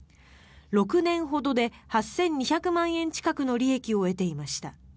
６年ほどで８２００万円近くの利益を得ていました。